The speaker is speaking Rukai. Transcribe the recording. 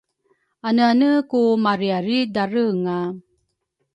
Aneane ku mariaridarenga?